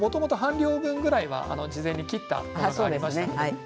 もともと半量分ぐらいは事前に切ってあったものがあります。